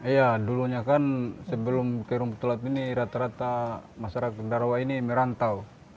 iya dulunya kan sebelum rumput laut ini rata rata masyarakat darawah ini merantau